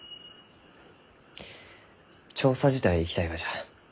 調査自体行きたいがじゃ。